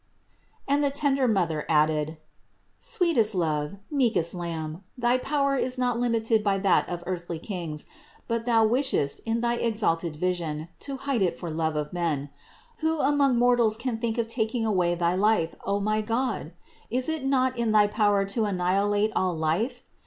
And the tender Mother added : "Sweetest Love, meekest Lamb, thy power is not limited by that of earthly kings; but Thou wishest, in thy exalted wisdom, to hide it for love of men. Who among mortals can think of taking away thy life, O my God? Is it not in thy power to anni hilate all life?